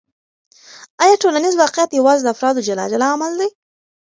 آیا ټولنیز واقعیت یوازې د افرادو جلا جلا عمل دی؟